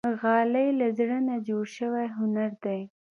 غالۍ له زړه نه جوړ شوی هنر دی.